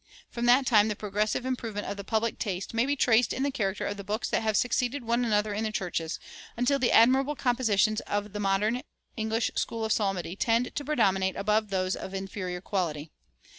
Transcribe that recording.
From that time the progressive improvement of the public taste may be traced in the character of the books that have succeeded one another in the churches, until the admirable compositions of the modern English school of psalmody tend to predominate above those of inferior quality.